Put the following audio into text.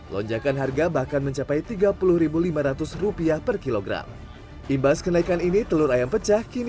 lonjakan harga bahkan mencapai tiga puluh lima ratus rupiah per kilogram imbas kenaikan ini telur ayam pecah kini